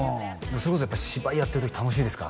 それこそやっぱ芝居やってる時楽しいですか？